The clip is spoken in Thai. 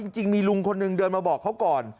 จริงมีลุงคนหนึ่งเดินมาบอกเขาก่อน